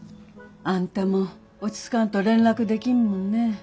あんたも落ち着かんと連絡できんもんね。